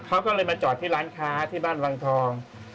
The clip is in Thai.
เขาก็เลยมาจอดที่ร้านค้าที่บ้านวังทอง